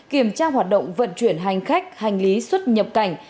kiểm tra hoạt động vận chuyển hành khách hành lý xuất nhập cảnh